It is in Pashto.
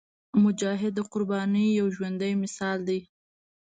مجاهد د قربانۍ یو ژوندی مثال دی.